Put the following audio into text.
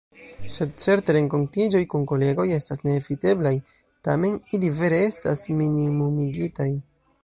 Sed certe renkontiĝoj kun kolegoj estas neeviteblaj, tamen ili vere estas minimumigitaj.